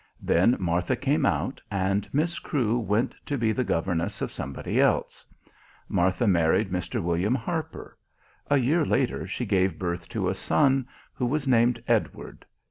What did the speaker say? Then Martha came out and Miss Crewe went to be the governess of somebody else. Martha married Mr. William Harper. A year later she gave birth to a son, who was named Edward.